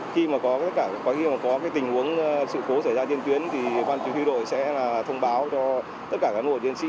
khi mà có tình huống sự cố xảy ra trên tuyến thì quan chức huy đội sẽ thông báo cho tất cả các nguồn chiến sĩ